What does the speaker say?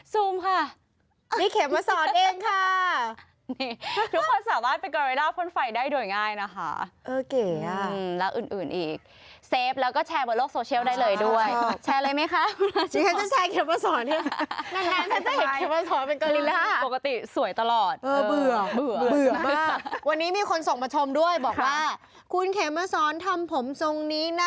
ซูมมาได้ไหมเห็นไหมนี่